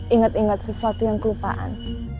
ingat ingat sesuatu yang kelupaan